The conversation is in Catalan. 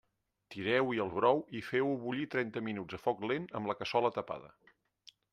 Tireu-hi el brou i feu-ho bullir trenta minuts a foc lent amb la cassola tapada.